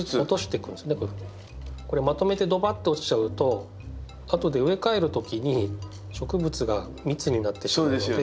これまとめてどばっと落ちちゃうと後で植え替える時に植物が密になってしまうので。